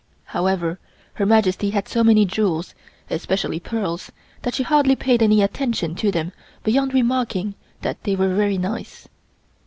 However, Her Majesty had so many jewels, especially pearls, that she hardly paid any attention to them beyond remarking that they were very nice.